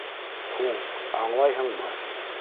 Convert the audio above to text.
Һуң, аңлайһыңмы?